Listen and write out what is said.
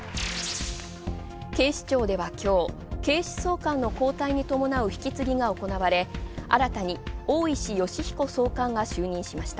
警視庁では今日、警視総監の交代に伴う引継ぎが行われ、新たに大石吉彦総監が就任しました。